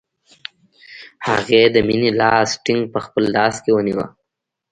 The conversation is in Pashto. هغې د مینې لاس ټینګ په خپل لاس کې ونیوه